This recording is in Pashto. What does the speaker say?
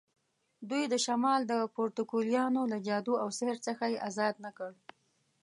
دوی د شمال د پروتوکولیانو له جادو او سحر څخه یې آزاد نه کړ.